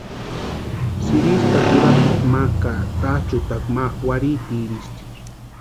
Sïristakwa urapiti ma ka táchʼukwa ma warhiitiristi.